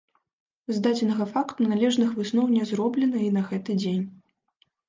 З дадзенага факту належных высноў не зроблена і на гэты дзень.